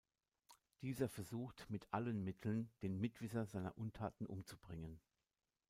Dieser versucht mit allen Mitteln, den Mitwisser seiner Untaten umzubringen.